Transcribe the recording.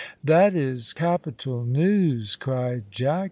"That is capital news," cried Jack.